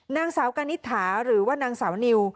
นางสาวกานิษฐาหรือว่านางสาวนิว